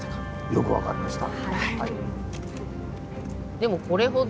よく分かりました。